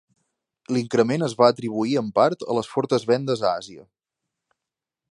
L'increment es va atribuir en part a les fortes vendes a Àsia.